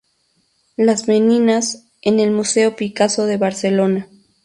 Las Meninas", en el Museo Picasso de Barcelona.